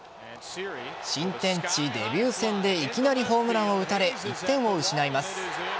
新天地デビュー戦でいきなりホームランを打たれ１点を失います。